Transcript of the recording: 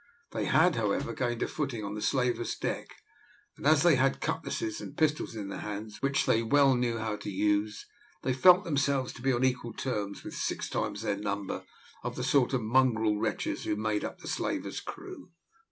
They had, however, gained a footing on the slaver's deck, and as they had cutlasses and pistols in their hands, which they well knew how to use, they felt themselves to be on equal terms with six times their number of the sort of mongrel wretches who made up the slaver's crew.